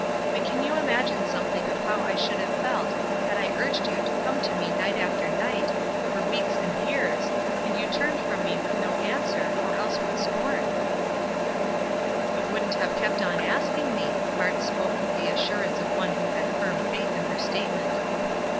But can you imagine something of how I should have felt had I urged you to come to me night after night, for weeks and years, and you had turned from me with no answer, or else with scorn?" "You wouldn't have kept on asking me." Mart spoke with the assurance of one who had firm faith in her statement.